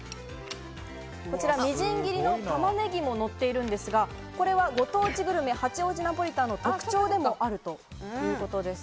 こちらみじん切りのタマネギものっているんですがこれはご当地グルメ八王子ナポリタンの特徴でもあるということです。